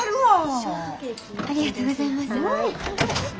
ありがとうございます。